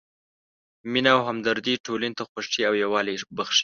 مینه او همدردي ټولنې ته خوښي او یووالی بښي.